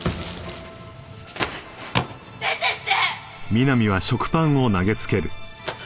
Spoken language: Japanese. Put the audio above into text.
出てって！